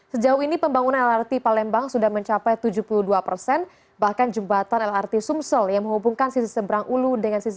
sejauh ini pembangunan lrt palembang sudah mencapai tujuh puluh dua persen bahkan jembatan lrt sumsel yang menghubungkan sisi seberang ulu dengan sisi